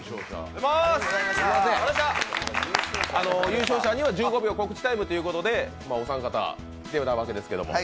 優勝者には１５秒告知タイムということで、お三方、出たわけですけど。